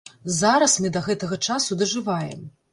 Зараз мы да гэтага часу дажываем.